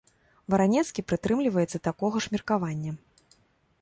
Варанецкі прытрымліваецца такога ж меркавання.